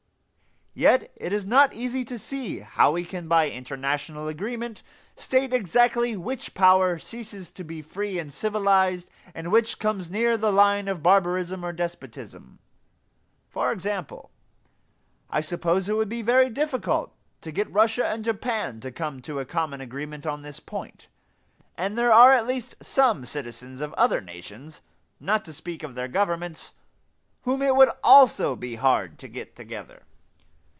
Yet it is not easy to see how we can by international agreement state exactly which power ceases to be free and civilized and which comes near the line of barbarism or despotism. For example, I suppose it would be very difficult to get Russia and Japan to come to a common agreement on this point; and there are at least some citizens of other nations, not to speak of their governments, whom it would also be hard to get together.